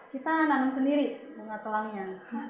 kita nanam sendiri bunga telangnya